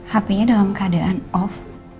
hp nya dalam keadaan off